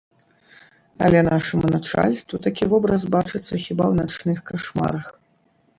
Але нашаму начальству такі вобраз бачыцца хіба ў начных кашмарах.